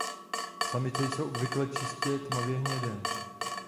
Samice jsou obvykle čistě tmavě hnědé.